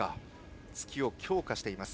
突きを強化してきました。